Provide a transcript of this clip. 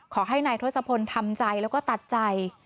ขอให้นายทศพลทำใจแล้วก็ตัดใจ